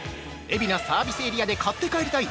海老名サービスエリアで買って帰りたい！